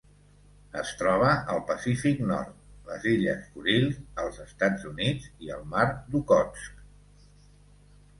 Es troba al Pacífic nord: les Illes Kurils, els Estats Units i el Mar d'Okhotsk.